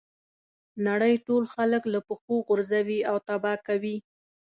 نړۍ ټول خلک له پښو غورځوي او تباه کوي.